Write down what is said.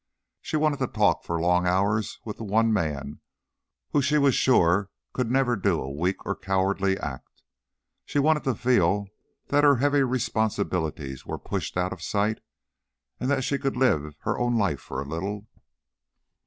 She wanted to talk for long hours with the one man who she was sure could never do a weak or cowardly act. She wanted to feel that her heavy responsibilities were pushed out of sight, and that she could live her own life for a little.